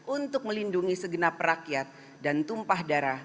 untuk melindungi segenap rakyat dan tumpah darah